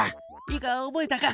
いいか覚えたか？